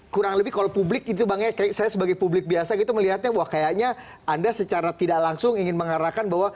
kurang lebih kalau publik itu bang eka saya sebagai publik biasa gitu melihatnya wah kayaknya anda secara tidak langsung ingin mengarahkan bahwa